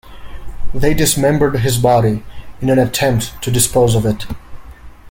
They dismembered his body in an attempt to dispose of it.